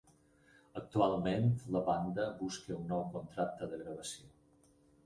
Actualment la banda busca un nou contracte de gravació.